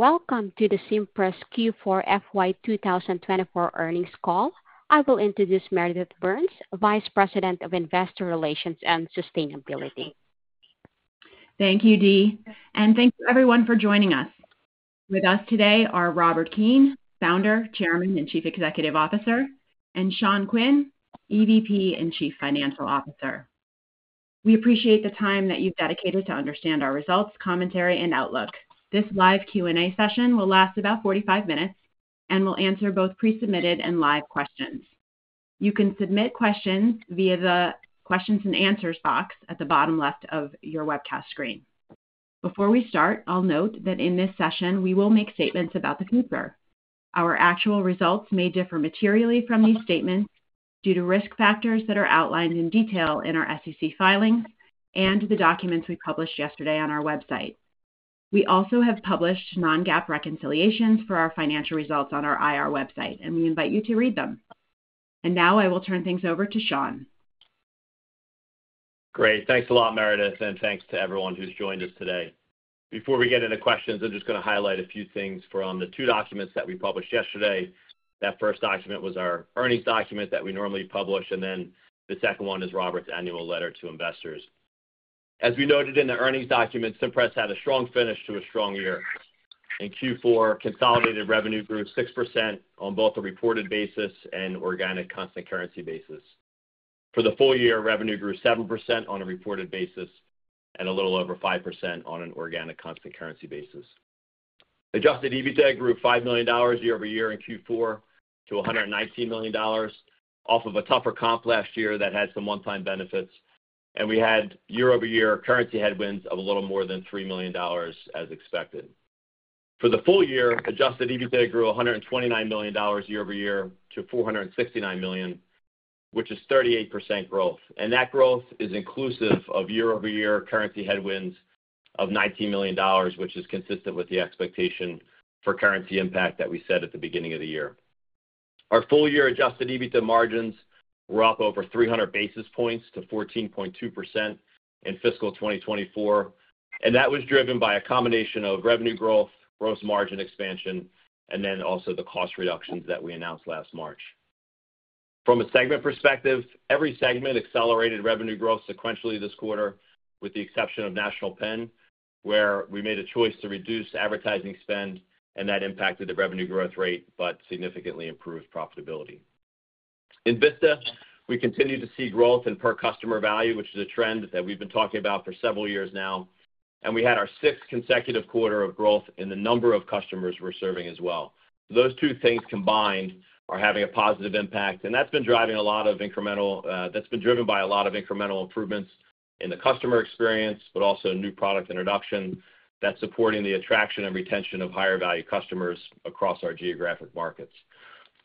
Welcome to the Cimpress Q4 FY 2024 earnings call. I will introduce Meredith Burns, Vice President of Investor Relations and Sustainability. Thank you, Dee, and thanks everyone for joining us. With us today are Robert Keane, Founder, Chairman, and Chief Executive Officer, and Sean Quinn, EVP and Chief Financial Officer. We appreciate the time that you've dedicated to understand our results, commentary, and outlook. This live Q&A session will last about 45 minutes and will answer both pre-submitted and live questions. You can submit questions via the questions and answers box at the bottom left of your webcast screen. Before we start, I'll note that in this session, we will make statements about the future. Our actual results may differ materially from these statements due to risk factors that are outlined in detail in our SEC filings and the documents we published yesterday on our website. We also have published non-GAAP reconciliations for our financial results on our IR website, and we invite you to read them. Now I will turn things over to Sean. Great. Thanks a lot, Meredith, and thanks to everyone who's joined us today. Before we get into questions, I'm just gonna highlight a few things from the two documents that we published yesterday. That first document was our earnings document that we normally publish, and then the second one is Robert's annual letter to investors. As we noted in the earnings document, Cimpress had a strong finish to a strong year. In Q4, consolidated revenue grew 6% on both a reported basis and organic constant currency basis. For the full year, revenue grew 7% on a reported basis and a little over 5% on an organic constant currency basis. Adjusted EBITDA grew $5 million year-over-year in Q4 to $119 million off of a tougher comp last year that had some one-time benefits, and we had year-over-year currency headwinds of a little more than $3 million as expected. For the full year, Adjusted EBITDA grew $129 million year-over-year to $469 million, which is 38% growth, and that growth is inclusive of year-over-year currency headwinds of $19 million, which is consistent with the expectation for currency impact that we set at the beginning of the year. Our full year Adjusted EBITDA margins were up over 300 basis points to 14.2% in fiscal 2024, and that was driven by a combination of revenue growth, gross margin expansion, and then also the cost reductions that we announced last March. From a segment perspective, every segment accelerated revenue growth sequentially this quarter, with the exception of National Pen, where we made a choice to reduce advertising spend, and that impacted the revenue growth rate but significantly improved profitability. In Vista, we continue to see growth in per customer value, which is a trend that we've been talking about for several years now, and we had our sixth consecutive quarter of growth in the number of customers we're serving as well. Those two things combined are having a positive impact, and that's been driving a lot of incremental, that's been driven by a lot of incremental improvements in the customer experience, but also new product introduction that's supporting the attraction and retention of higher value customers across our geographic markets.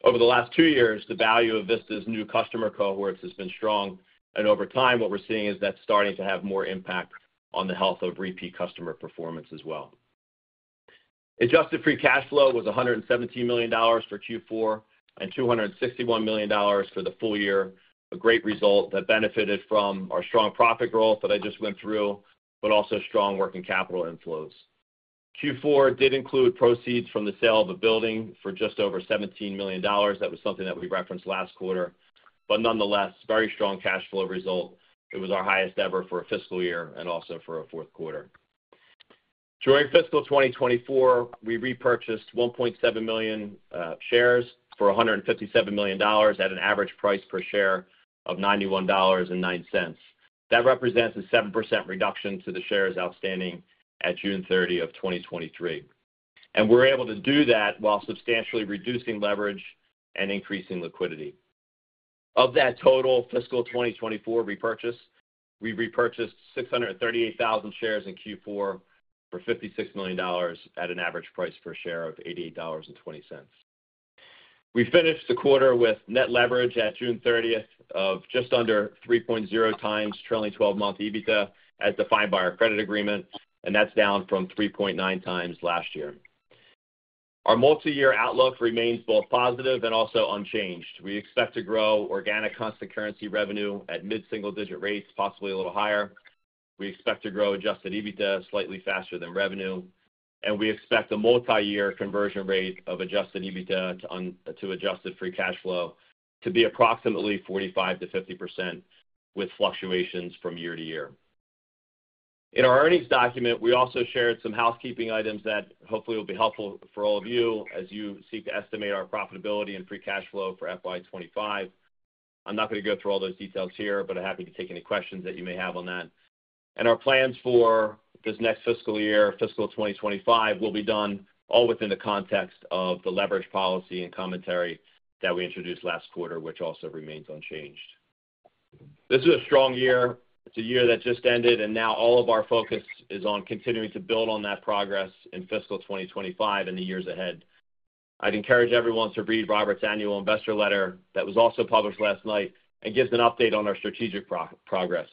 Over the last 2 years, the value of Vista's new customer cohorts has been strong, and over time, what we're seeing is that's starting to have more impact on the health of repeat customer performance as well. Adjusted Free Cash Flow was $117 million for Q4 and $261 million for the full year, a great result that benefited from our strong profit growth that I just went through, but also strong working capital inflows. Q4 did include proceeds from the sale of a building for just over $17 million. That was something that we referenced last quarter, but nonetheless, very strong cash flow result. It was our highest ever for a fiscal year and also for a Q4. During fiscal 2024, we repurchased 1.7 million shares for $157 million at an average price per share of $91.09. That represents a 7% reduction to the shares outstanding at June 30, 2023, and we're able to do that while substantially reducing leverage and increasing liquidity. Of that total fiscal 2024 repurchase, we repurchased 638,000 shares in Q4 for $56 million at an average price per share of $88.20. We finished the quarter with net leverage at June 30 of just under 3.0x trailing twelve-month EBITDA, as defined by our credit agreement, and that's down from 3.9x last year. Our multi-year outlook remains both positive and also unchanged. We expect to grow organic constant currency revenue at mid-single digit rates, possibly a little higher. We expect to grow Adjusted EBITDA slightly faster than revenue, and we expect a multi-year conversion rate of Adjusted EBITDA to Adjusted Free Cash Flow to be approximately 45%-50%, with fluctuations from year to year. In our earnings document, we also shared some housekeeping items that hopefully will be helpful for all of you as you seek to estimate our profitability and free cash flow for FY 2025. I'm not gonna go through all those details here, but I'm happy to take any questions that you may have on that. Our plans for this next fiscal year, fiscal 2025, will be done all within the context of the leverage policy and commentary that we introduced last quarter, which also remains unchanged. This is a strong year. It's a year that just ended, and now all of our focus is on continuing to build on that progress in fiscal 2025 and the years ahead. I'd encourage everyone to read Robert's Annual Investor letter that was also published last night and gives an update on our strategic progress.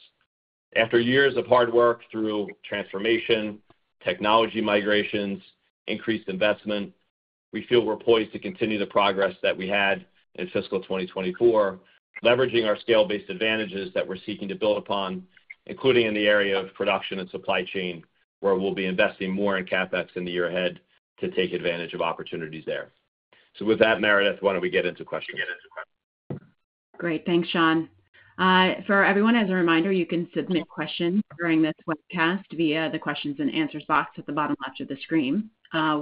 After years of hard work through transformation, technology migrations, increased investment, we feel we're poised to continue the progress that we had in fiscal 2024, leveraging our scale-based advantages that we're seeking to build upon, including in the area of production and supply chain, where we'll be investing more in CapEx in the year ahead to take advantage of opportunities there. So with that, Meredith, why don't we get into questions? Great. Thanks, Sean. For everyone, as a reminder, you can submit questions during this webcast via the questions and answers box at the bottom left of the screen.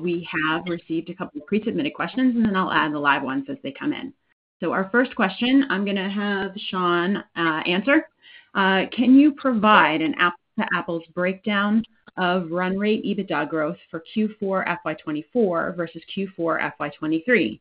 We have received a couple of pre-submitted questions, and then I'll add the live ones as they come in. So our first question, I'm gonna have Sean answer. Can you provide an apples-to-apples breakdown of run rate EBITDA growth for Q4 FY 2024 versus Q4 FY 2023?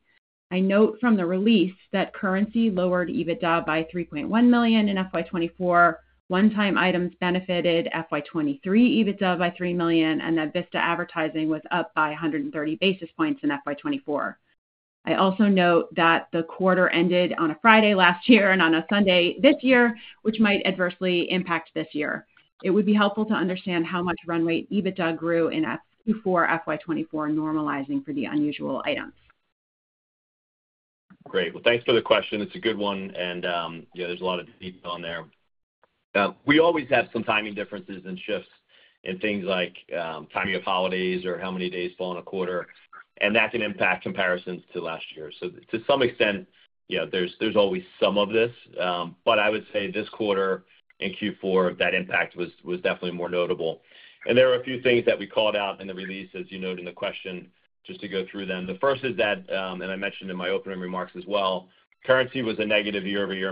I note from the release that currency lowered EBITDA by $3.1 million in FY 2024, one-time items benefited FY 2023 EBITDA by $3 million, and that Vista advertising was up by 130 basis points in FY 2024. I also note that the quarter ended on a Friday last year and on a Sunday this year, which might adversely impact this year. It would be helpful to understand how much run rate EBITDA grew in FQ4 FY 2024, normalizing for the unusual items. Great. Well, thanks for the question. It's a good one, and yeah, there's a lot of detail on there. We always have some timing differences and shifts in things like timing of holidays or how many days fall in a quarter, and that can impact comparisons to last year. So to some extent, yeah, there's, there's always some of this, but I would say this quarter, in Q4, that impact was definitely more notable. And there are a few things that we called out in the release, as you noted in the question, just to go through them. The first is that, and I mentioned in my opening remarks as well, currency was a negative year-over-year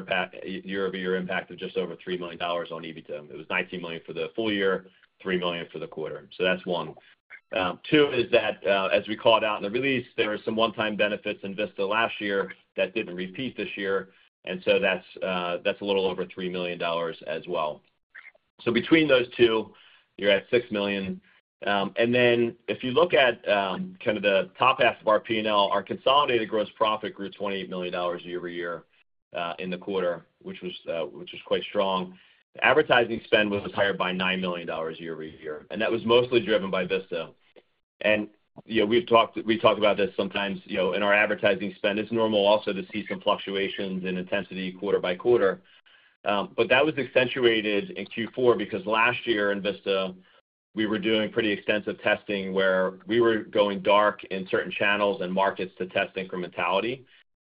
impact of just over $3 million on EBITDA. It was $19 million for the full year, $3 million for the quarter, so that's one. Two is that, as we called out in the release, there were some one-time benefits in Vista last year that didn't repeat this year, and so that's, that's a little over $3 million as well. So between those two, you're at $6 million. And then if you look at, kind of the top half of our P&L, our consolidated gross profit grew $28 million year-over-year in the quarter, which was, which was quite strong. Advertising spend was higher by $9 million year-over-year, and that was mostly driven by Vista. And, you know, we've talked- we talk about this sometimes, you know, in our advertising spend, it's normal also to see some fluctuations in intensity quarter by quarter. But that was accentuated in Q4 because last year in Vista, we were doing pretty extensive testing where we were going dark in certain channels and markets to test incrementality.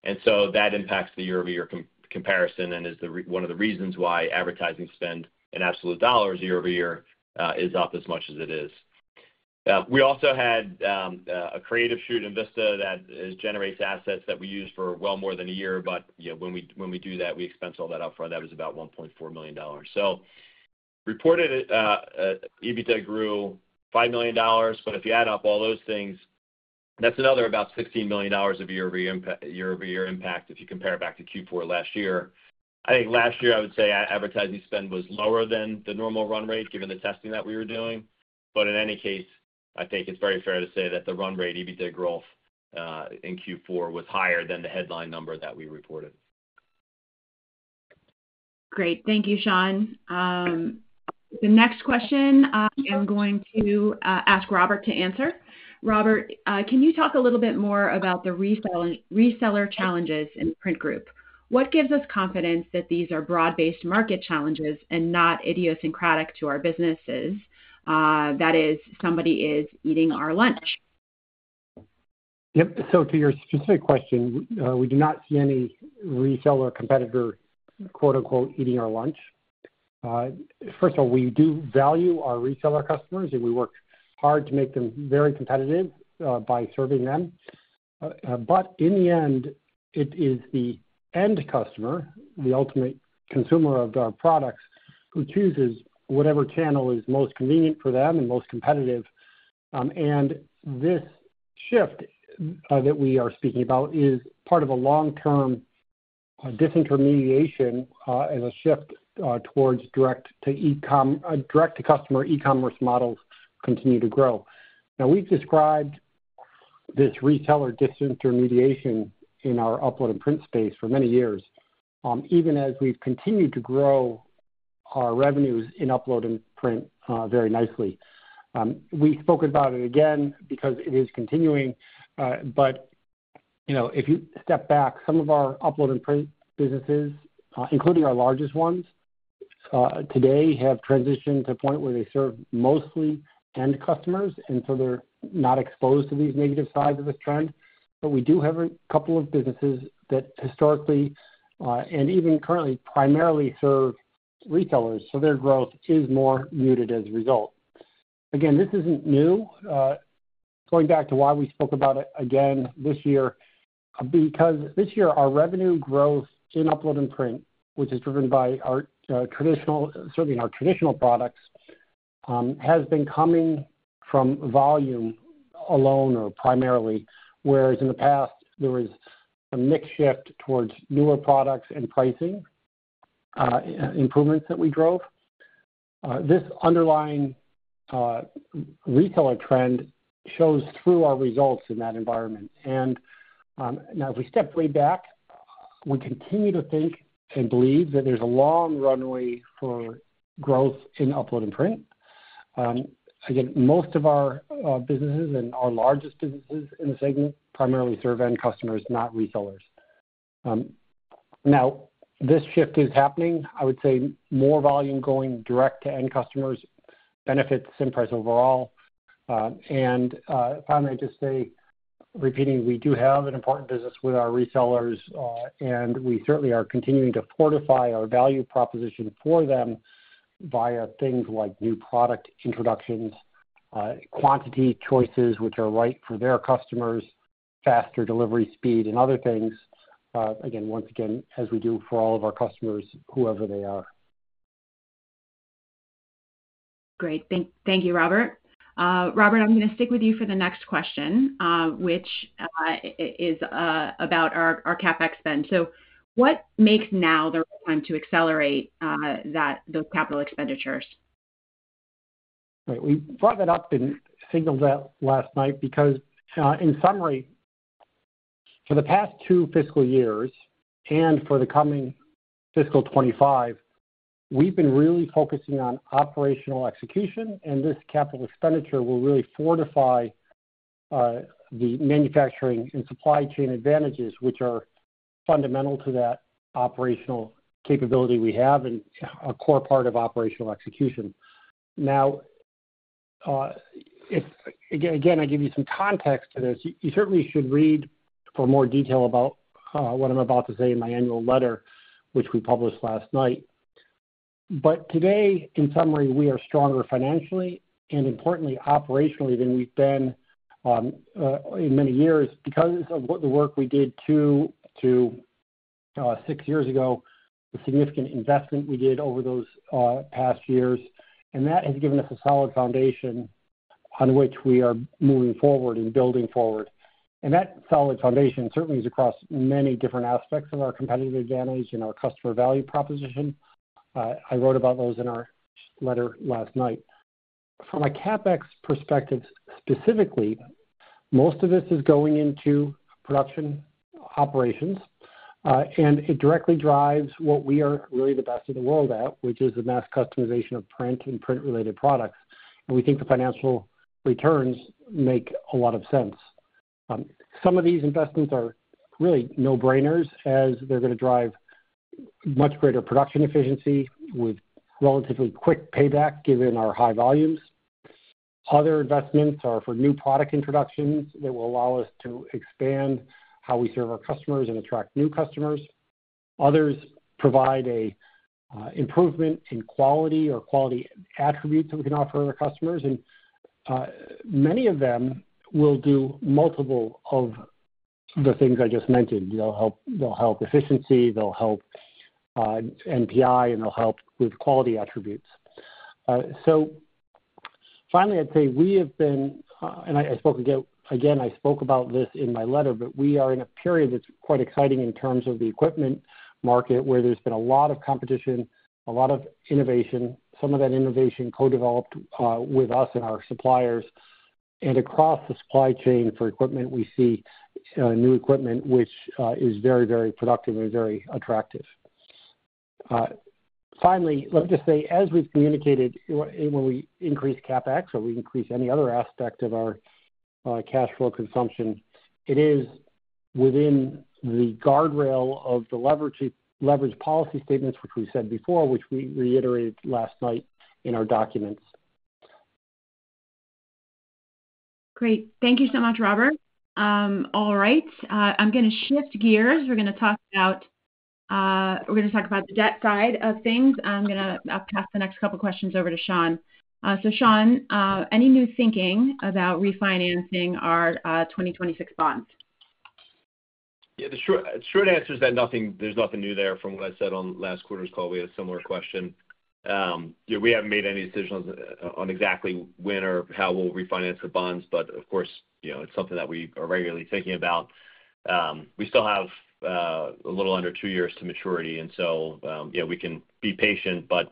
And so that impacts the year-over-year comparison and is one of the reasons why advertising spend in absolute dollars year-over-year is up as much as it is. We also had a creative shoot in Vista that generates assets that we use for well more than a year, but, you know, when we do that, we expense all that upfront. That was about $1.4 million. So reported EBITDA grew $5 million, but if you add up all those things, that's another about $16 million of year-over-year impact, year-over-year impact if you compare it back to Q4 last year. I think last year, I would say advertising spend was lower than the normal run rate, given the testing that we were doing. But in any case, I think it's very fair to say that the run rate EBITDA growth in Q4 was higher than the headline number that we reported. Great. Thank you, Sean. The next question, I'm going to ask Robert to answer. Robert, can you talk a little bit more about the reseller challenges in Print Group? What gives us confidence that these are broad-based market challenges and not idiosyncratic to our businesses, that is, somebody is eating our lunch? Yep. So to your specific question, we do not see any reseller competitor, "eating our lunch." First of all, we do value our reseller customers, and we work hard to make them very competitive, by serving them. But in the end, it is the end customer, the ultimate consumer of our products, who chooses whatever channel is most convenient for them and most competitive. And this shift that we are speaking about is part of a long-term disintermediation and a shift towards direct-to-customer e-commerce models continue to grow. Now, we've described this retailer disintermediation in our Upload and Print space for many years, even as we've continued to grow our revenues in Upload and Print very nicely. We spoke about it again because it is continuing, but, you know, if you step back, some of our Upload and Print businesses, including our largest ones, today, have transitioned to a point where they serve mostly end customers, and so they're not exposed to these negative sides of the trend. But we do have a couple of businesses that historically, and even currently, primarily serve retailers, so their growth is more muted as a result. Again, this isn't new. Going back to why we spoke about it again this year, because this year, our revenue growth in Upload and Print, which is driven by our traditional serving our traditional products, has been coming from volume alone or primarily, whereas in the past, there was a mix shift towards newer products and pricing improvements that we drove. This underlying retailer trend shows through our results in that environment. Now, if we step way back, we continue to think and believe that there's a long runway for growth in Upload and Print. Again, most of our businesses and our largest businesses in the segment primarily serve end customers, not resellers. Now, this shift is happening. I would say more volume going direct to end customers benefits Cimpress overall. And finally, I'd just say, repeating, we do have an important business with our resellers, and we certainly are continuing to fortify our value proposition for them via things like new product introductions, quantity choices which are right for their customers, faster delivery speed, and other things. Again, once again, as we do for all of our customers, whoever they are. Great. Thank you, Robert. Robert, I'm gonna stick with you for the next question, which is about our CapEx spend. So what makes now the right time to accelerate those capital expenditures? Right. We brought that up and signaled that last night because, in summary, for the past two fiscal years and for the coming fiscal 2025, we've been really focusing on operational execution, and this capital expenditure will really fortify the manufacturing and supply chain advantages, which are fundamental to that operational capability we have and a core part of operational execution. Now, if again I give you some context to this, you certainly should read for more detail about what I'm about to say in my annual letter, which we published last night. But today, in summary, we are stronger financially and importantly operationally than we've been in many years because of what the work we did two to six years ago, the significant investment we did over those past years, and that has given us a solid foundation on which we are moving forward and building forward. That solid foundation certainly is across many different aspects of our competitive advantage and our customer value proposition. I wrote about those in our letter last night. From a CapEx perspective, specifically, most of this is going into production operations, and it directly drives what we are really the best in the world at, which is the mass customization of print and print-related products. We think the financial returns make a lot of sense. Some of these investments are really no-brainers, as they're gonna drive much greater production efficiency with relatively quick payback, given our high volumes. Other investments are for new product introductions that will allow us to expand how we serve our customers and attract new customers. Others provide a improvement in quality or quality attributes that we can offer our customers, and many of them will do multiple of the things I just mentioned. They'll help, they'll help efficiency, they'll help NPI, and they'll help with quality attributes. So finally, I'd say we have been, and I spoke again about this in my letter, but we are in a period that's quite exciting in terms of the equipment market, where there's been a lot of competition, a lot of innovation, some of that innovation co-developed with us and our suppliers. Across the supply chain for equipment, we see new equipment, which is very, very productive and very attractive. Finally, let me just say, as we've communicated, when we increase CapEx or we increase any other aspect of our cash flow consumption, it is within the guardrail of the leverage leverage policy statements, which we said before, which we reiterated last night in our documents. Great. Thank you so much, Robert. All right, I'm gonna shift gears. We're gonna talk about the debt side of things. I'm gonna pass the next couple questions over to Sean. So Sean, any new thinking about refinancing our 2026 bonds? Yeah, the short, short answer is that nothing. There's nothing new there from what I said on last quarter's call. We had a similar question. Yeah, we haven't made any decisions on exactly when or how we'll refinance the bonds, but of course, you know, it's something that we are regularly thinking about. We still have a little under two years to maturity, and so, yeah, we can be patient, but,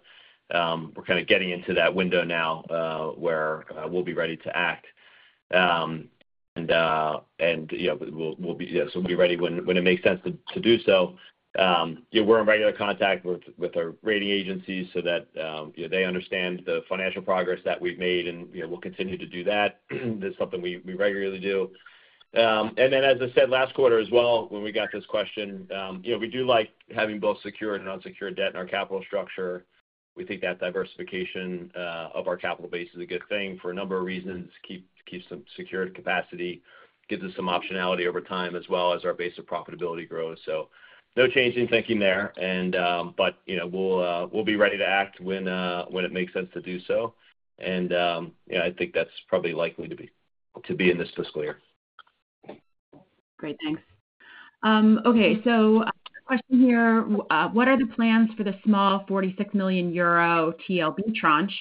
we're kind of getting into that window now, where we'll be ready to act. And, you know, we'll be ready when it makes sense to do so. Yeah, we're in regular contact with our rating agencies so that, you know, they understand the financial progress that we've made, and, you know, we'll continue to do that. That's something we regularly do. And then, as I said last quarter as well, when we got this question, you know, we do like having both secured and unsecured debt in our capital structure. We think that diversification of our capital base is a good thing for a number of reasons: keeps some secured capacity, gives us some optionality over time, as well as our base of profitability grows. So no change in thinking there, and, but, you know, we'll be ready to act when it makes sense to do so. And, yeah, I think that's probably likely to be in this fiscal year. Great. Thanks. Okay, so question here: What are the plans for the small 46 million euro TLB tranche?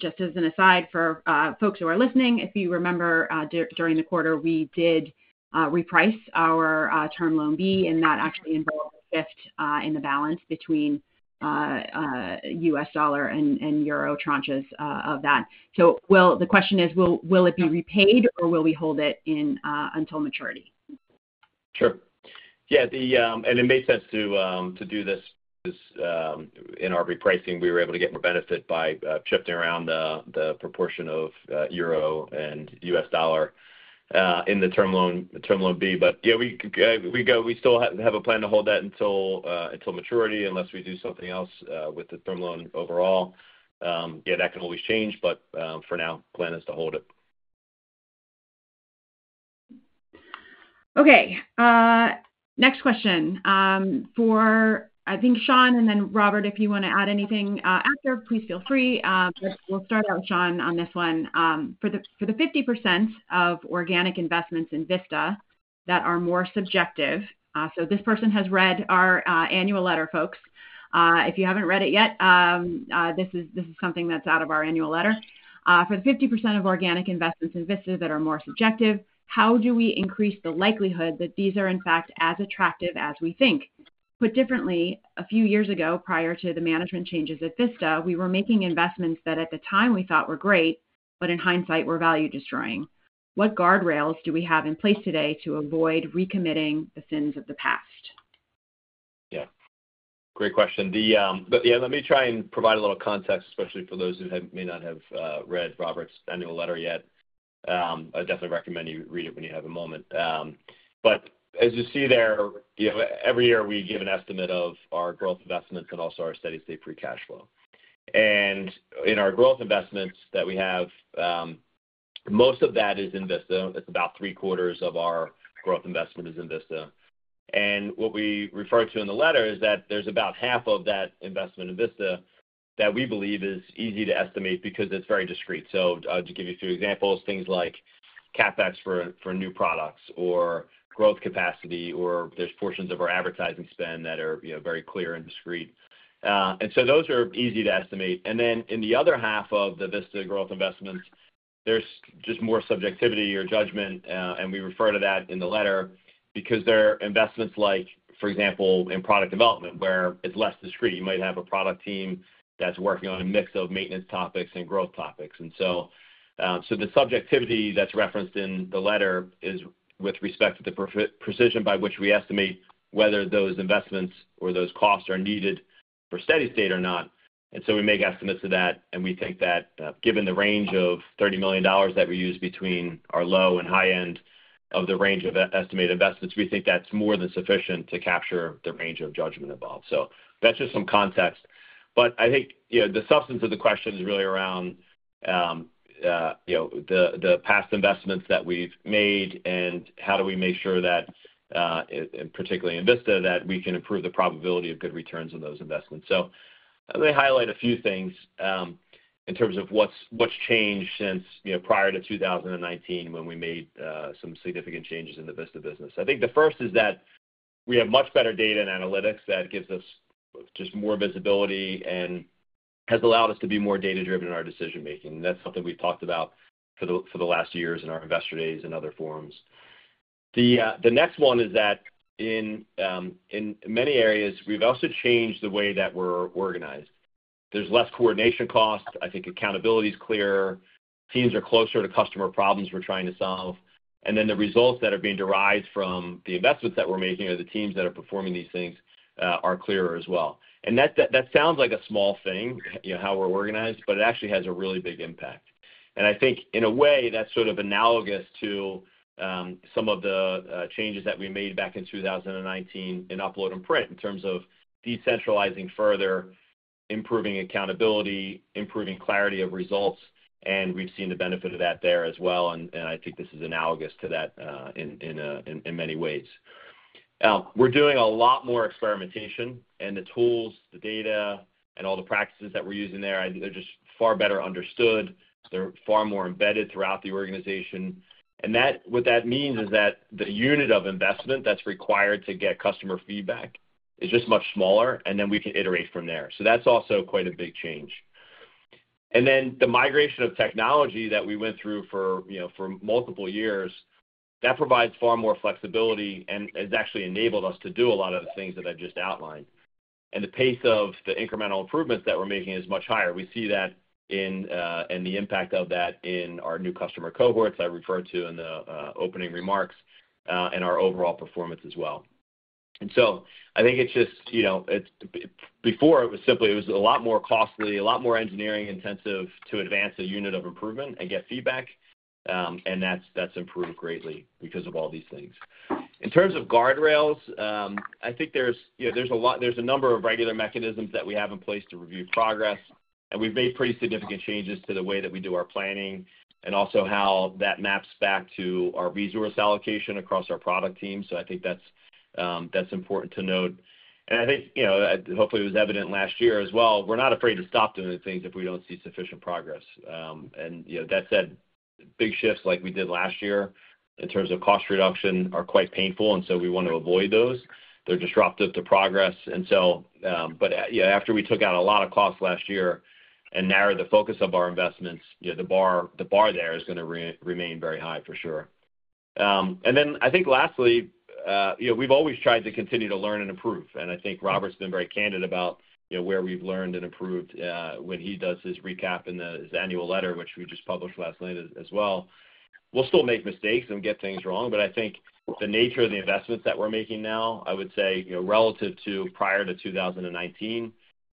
Just as an aside, for folks who are listening, if you remember, during the quarter, we did reprice our Term Loan B, and that actually involved a shift in the balance between US dollar and euro tranches of that. So the question is, will it be repaid, or will we hold it in until maturity?... Sure. Yeah, and it made sense to do this in our repricing. We were able to get more benefit by shifting around the proportion of euro and US dollar in the Term Loan B. But yeah, we still have a plan to hold that until maturity, unless we do something else with the term loan overall. Yeah, that can always change, but for now, plan is to hold it. Okay, next question, for I think Sean, and then Robert, if you wanna add anything, after, please feel free. But we'll start out, Sean, on this one. For the 50% of organic investments in Vista that are more subjective, so this person has read our annual letter, folks. If you haven't read it yet, this is something that's out of our annual letter. For the 50% of organic investments in Vista that are more subjective, how do we increase the likelihood that these are, in fact, as attractive as we think? Put differently, a few years ago, prior to the management changes at Vista, we were making investments that, at the time, we thought were great, but in hindsight, were value-destroying. What guardrails do we have in place today to avoid recommitting the sins of the past? Yeah. Great question. But yeah, let me try and provide a little context, especially for those who have, may not have read Robert's annual letter yet. I definitely recommend you read it when you have a moment. But as you see there, you know, every year, we give an estimate of our growth investments and also our steady-state free cash flow. And in our growth investments that we have, most of that is in Vista. It's about three-quarters of our growth investment is in Vista. And what we refer to in the letter is that there's about half of that investment in Vista that we believe is easy to estimate because it's very discrete. So, to give you a few examples, things like CapEx for new products or growth capacity, or there's portions of our advertising spend that are, you know, very clear and discrete. And so those are easy to estimate. And then in the other half of the Vista growth investments, there's just more subjectivity or judgment, and we refer to that in the letter because they're investments like, for example, in product development, where it's less discrete. You might have a product team that's working on a mix of maintenance topics and growth topics. And so, so the subjectivity that's referenced in the letter is with respect to the precision by which we estimate whether those investments or those costs are needed for steady state or not. And so we make estimates of that, and we think that, given the range of $30 million that we use between our low and high end of the range of estimate investments, we think that's more than sufficient to capture the range of judgment involved. So that's just some context. But I think, you know, the substance of the question is really around, you know, the past investments that we've made and how do we make sure that, and particularly in Vista, that we can improve the probability of good returns on those investments. So let me highlight a few things, in terms of what's changed since, you know, prior to 2019 when we made, some significant changes in the Vista business. I think the first is that we have much better data and analytics that gives us just more visibility and has allowed us to be more data-driven in our decision-making. That's something we've talked about for the last years in our investor days and other forums. The next one is that in many areas, we've also changed the way that we're organized. There's less coordination costs, I think accountability is clearer, teams are closer to customer problems we're trying to solve, and then the results that are being derived from the investments that we're making or the teams that are performing these things are clearer as well. And that sounds like a small thing, you know, how we're organized, but it actually has a really big impact. I think in a way, that's sort of analogous to some of the changes that we made back in 2019 in Upload and Print in terms of decentralizing further, improving accountability, improving clarity of results, and we've seen the benefit of that there as well, and I think this is analogous to that in many ways. We're doing a lot more experimentation, and the tools, the data, and all the practices that we're using there, I think they're just far better understood. They're far more embedded throughout the organization. And that, what that means is that the unit of investment that's required to get customer feedback is just much smaller, and then we can iterate from there. So that's also quite a big change. And then the migration of technology that we went through for, you know, for multiple years, that provides far more flexibility and has actually enabled us to do a lot of the things that I've just outlined. And the pace of the incremental improvements that we're making is much higher. We see that in, in the impact of that in our new customer cohorts I referred to in the, opening remarks, and our overall performance as well. And so I think it's just, you know, it's... Before, it was simply a lot more costly, a lot more engineering intensive to advance a unit of improvement and get feedback, and that's improved greatly because of all these things. In terms of guardrails, I think, you know, there's a number of regular mechanisms that we have in place to review progress, and we've made pretty significant changes to the way that we do our planning, and also how that maps back to our resource allocation across our product team. So I think that's important to note. I think, you know, hopefully, it was evident last year as well, we're not afraid to stop doing things if we don't see sufficient progress. And, you know, that said, big shifts like we did last year in terms of cost reduction are quite painful, and so we want to avoid those. They're disruptive to progress, and so, but, yeah, after we took out a lot of costs last year and narrowed the focus of our investments, you know, the bar there is gonna remain very high, for sure. And then I think lastly, you know, we've always tried to continue to learn and improve, and I think Robert's been very candid about, you know, where we've learned and improved, when he does his recap in the, his annual letter, which we just published last night as well. We'll still make mistakes and get things wrong, but I think the nature of the investments that we're making now, I would say, you know, relative to prior to 2019,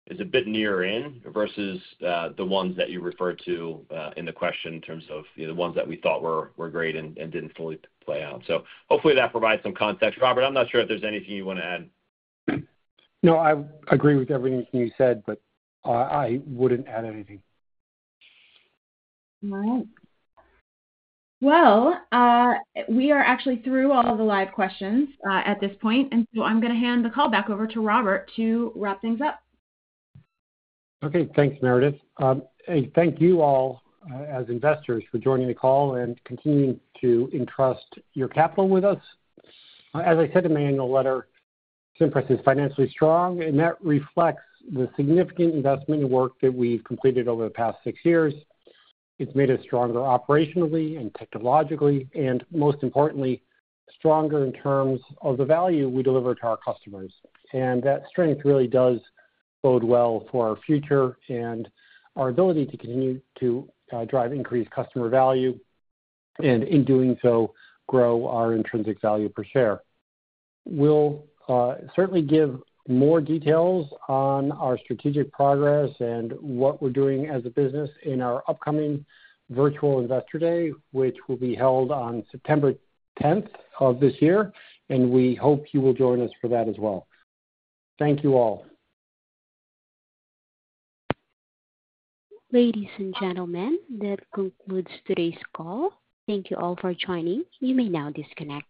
is a bit nearer in versus the ones that you referred to in the question in terms of, you know, the ones that we thought were great and didn't fully play out. So hopefully that provides some context. Robert, I'm not sure if there's anything you wanna add. No, I agree with everything you said, but I wouldn't add anything. All right. Well, we are actually through all the live questions at this point, and so I'm gonna hand the call back over to Robert to wrap things up. Okay, thanks, Meredith. Thank you all as investors for joining the call and continuing to entrust your capital with us. As I said in my annual letter, Cimpress is financially strong, and that reflects the significant investment and work that we've completed over the past six years. It's made us stronger operationally and technologically, and most importantly, stronger in terms of the value we deliver to our customers. And that strength really does bode well for our future and our ability to continue to drive increased customer value, and in doing so, grow our intrinsic value per share. We'll certainly give more details on our strategic progress and what we're doing as a business in our upcoming virtual Investor Day, which will be held on September tenth of this year, and we hope you will join us for that as well. Thank you all. Ladies and gentlemen, that concludes today's call. Thank you all for joining. You may now disconnect.